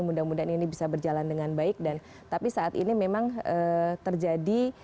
mudah mudahan ini bisa berjalan dengan baik dan tapi saat ini memang terjadi